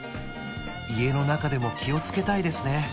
家の中でも気をつけたいですね